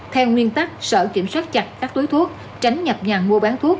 theo nguyên tắc sở kiểm soát chặt các túi thuốc tránh nhập nhàn mua bán thuốc